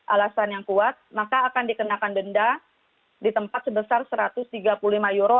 alasan yang kuat maka akan dikenakan denda di tempat sebesar satu ratus tiga puluh lima euro